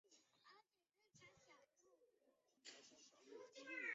阿船战国时代到江户时代初期的女性。